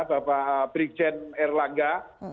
bapak brigjen erlangga